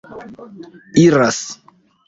iras